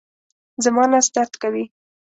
زما نس درد کوي